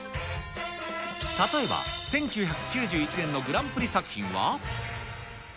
例えば１９９１年のグランプリ作品は。